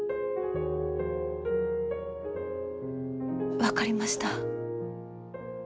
分かりました。